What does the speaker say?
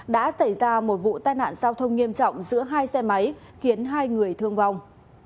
đã xảy ra một vụ tai nạn giao thông nghiêm trọng giữa hai xe máy khiến hai người thương vong